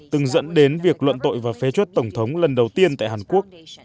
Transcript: từng dẫn đến việc luận tội và phê chuất tổng thống lần đầu tiên tại hàn quốc